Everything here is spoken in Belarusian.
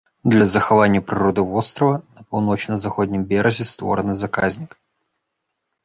Для захавання прыроды вострава на паўночна-заходнім беразе створаны заказнік.